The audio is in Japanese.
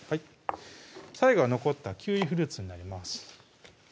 最後は残ったキウイフルーツになります